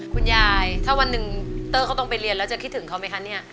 คุณยายถ้าวันหนึ่งเตอร์เขาต้องไปเรียนแล้วจะคิดถึงเขาไหมคะเนี่ย